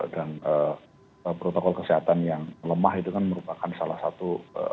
dan protokol kesehatan yang lemah itu kan merupakan salah satu